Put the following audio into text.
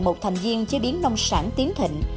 một thành viên chế biến nông sản tiến thịnh